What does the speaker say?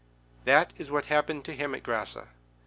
That is what happened to him at Grasse.